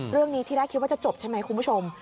เรื่องนี้ที่แรกคิดว่าจะจบใช่ไหมคุณผู้ชม